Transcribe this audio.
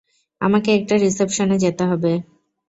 আমাকে একটা রিসেপশনে যেতে হবে।